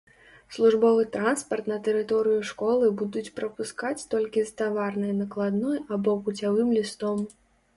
Службовы транспарт на тэрыторыю школы будуць прапускаць толькі з таварнай накладной або пуцявым лістом.